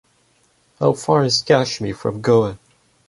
How far is Kashmir from Goa?